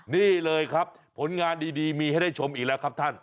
นี่เลยครับผลงานดีมีให้ได้ชมอีกแล้วครับท่าน